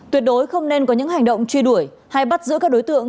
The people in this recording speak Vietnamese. tuyệt đối không nên có những hành động truy đuổi hay bắt giữ các đối tượng